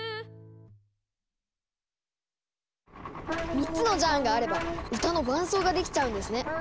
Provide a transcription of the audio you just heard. ３つのジャーンがあれば歌の伴奏ができちゃうんですね。